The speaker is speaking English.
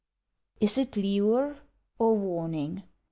Is 't lure, or warning?